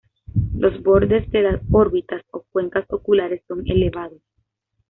Los bordes de las órbitas, o cuencas oculares son elevados.